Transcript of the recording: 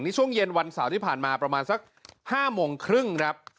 ช่วงเย็นวันเสาร์ที่ผ่านมาประมาณสัก๕โมงครึ่งครับ